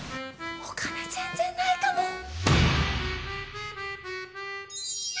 お金全然ないかも。